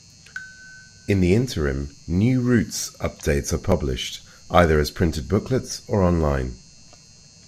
In the interim, "new routes" updates are published, either as printed booklets or online.